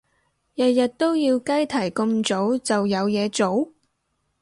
日日都要雞啼咁早就有嘢做？